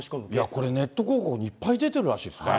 これ、ネット広告、いっぱい出てるらしいですね。